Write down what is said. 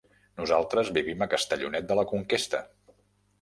Nosaltres vivim a Castellonet de la Conquesta.